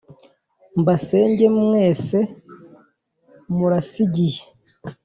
mbasenge mwese, murasigiye